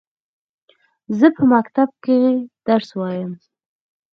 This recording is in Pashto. زه په مکتب کښي درس وايم.